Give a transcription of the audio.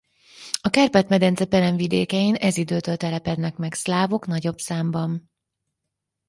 A Kárpát-medence peremvidékein ez időtől telepednek meg szlávok nagyobb számban.